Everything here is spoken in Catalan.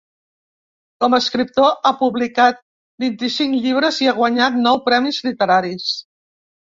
Com a escriptor ha publicat vint-i-cinc llibres i ha guanyat nou premis literaris.